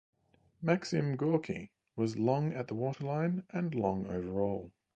"Maxim Gorky" was long at the waterline, and long overall.